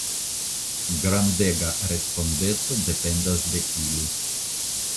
Grandega respondeco dependas de ili.